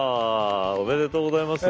おめでとうございます。